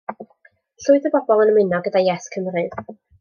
Llwyth o bobl yn ymuno gydag Yes Cymru.